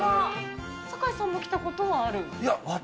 酒井さんも来たことはある？